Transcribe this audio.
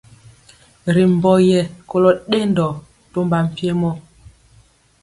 Ri mbɔ ye kolo dendɔ tɔmba mpiemɔ.